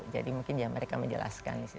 jadi mungkin mereka menjelaskan di situ